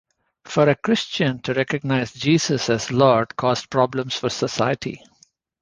For a Christian to recognise Jesus as Lord caused problems for society.